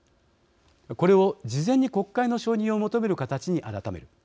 これを事前に国会の承認を求める形に改める。